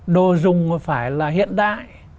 đồ dùng phải là hiện đại